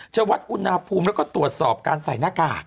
วัดอุณหภูมิแล้วก็ตรวจสอบการใส่หน้ากาก